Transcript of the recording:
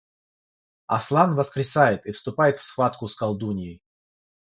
Аслан воскресает и вступает в схватку с Колдуньей